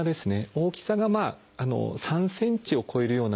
大きさが３ｃｍを超えるような腫瘍。